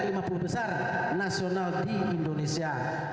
saya mampu besar nasional di indonesia